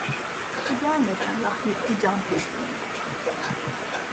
Su gelmeden rahmetli can teslim etti.